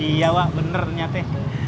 iya pak benar nyate